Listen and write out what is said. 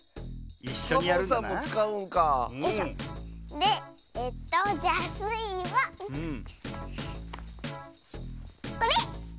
でえっとじゃあスイはこれ！